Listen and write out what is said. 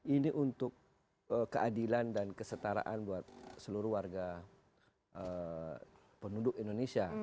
ini untuk keadilan dan kesetaraan buat seluruh warga penduduk indonesia